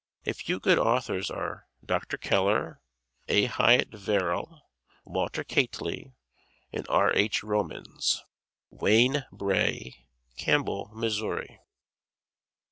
A few good authors are: Dr. Keller, A Hyatt Verrill, Walter Kately and R. H. Romans. Wayne Bray, Campbell, Missouri.